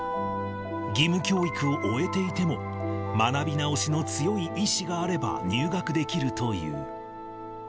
義務教育を終えていても、学び直しの強い意思があれば、入学できるという。